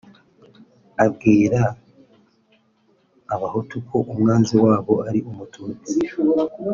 abwira abahutu ko umwanzi wabo ari umututsi